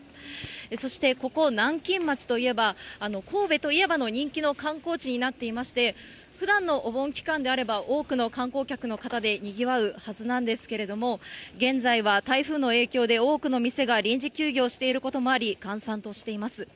そしてここ、南京町といえば、神戸といえばの人気の観光地になっていまして、ふだんのお盆期間であれば、多くの観光客の方でにぎわうはずなんですけれども、現在は台風の影響で多くの店が臨時休業していることもあり、閑散としています。